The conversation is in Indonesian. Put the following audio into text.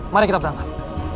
mari kita berangkat